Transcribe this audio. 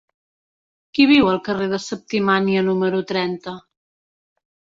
Qui viu al carrer de Septimània número trenta?